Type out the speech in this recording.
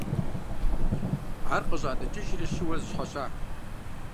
Ар къыщӀатӏыкӏыжри щыуэ зэщхьэщах.